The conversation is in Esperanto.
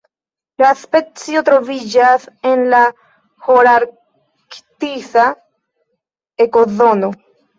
La specio troviĝas en la holarktisa ekozono.